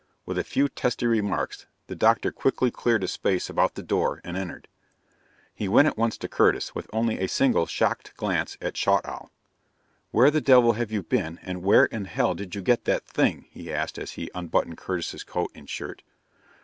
With a few testy remarks, the doctor quickly cleared a space about the door and entered. He went at once to Curtis, with only a single shocked glance at Schaughtowl. "Where the devil have you been and where in hell did you get that thing?" he asked as he unbuttoned Curtis's coat and shirt.